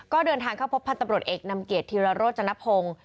ก็เดินทางเข้าพบพันธ์ตำรวจเอกนำเกียรติธิรโรจนพงศ์